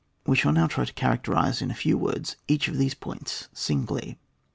• We shall now try to characterise, in a few words, ecLch of these points singly.